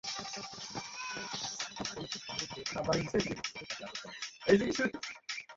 সৈয়দপুর শহরের Saidpur plaza shopping complex থেকে তাঁকে আটক করা হয়।